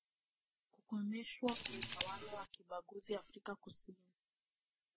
kukomeshwa kwa utawala wa kibaguzi Afrika kusini